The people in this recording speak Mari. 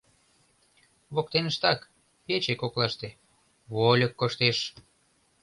Воктеныштак, пече коклаште, вольык коштеш.